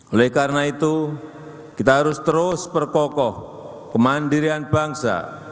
oleh karena itu kita harus terus perkokoh kemandirian bangsa